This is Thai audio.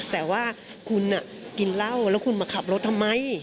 แต่ว่าคุณกินเหล้าแล้วคุณมาขับรถทำไม